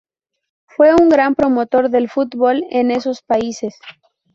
Fue un gran promotor del fútbol en esos países.